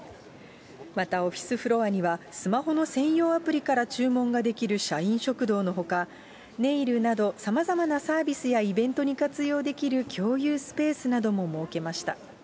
また、オフィスフロアにはスマホの専用アプリから注文ができる社員食堂のほか、ネイルなどさまざまなイベントに活用できる共有スペースなども設けました。